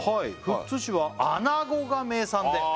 「富津市は穴子が名産で」